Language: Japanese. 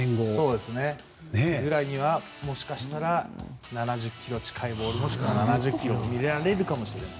そのぐらいにはもしかしたら１７０キロ近いもしくは１７０キロが見られるかもしれない。